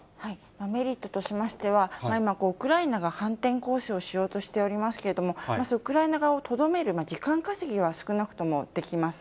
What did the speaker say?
メリットとしましては、今、ウクライナが反転攻勢をしようとしておりますけれども、まずウクライナ側をとどめる時間稼ぎが、少なくともできます。